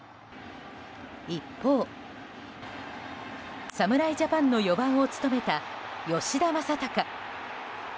一方、侍ジャパンの４番を務めた吉田正尚。